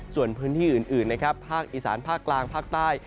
ส่วนพื้นที่อื่นนะครับภาคอีสานภาคกลางภาคใต้